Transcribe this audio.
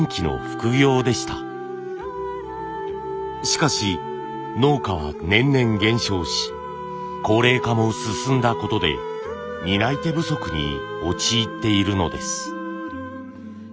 しかし農家は年々減少し高齢化も進んだことで担い手不足に陥っているのです。